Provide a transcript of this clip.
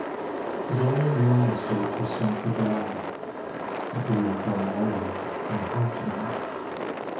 'Tis only noon and still too soon to die, Yet we are growing old, my heart and I.